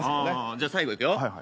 じゃ最後いくよ。